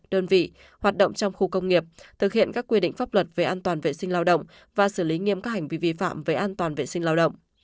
đơn vị hoạt động trong khu công nghiệp thực hiện các quy định pháp luật về an toàn vệ sinh lao động và xử lý nghiêm các hành vi vi phạm về an toàn vệ sinh lao động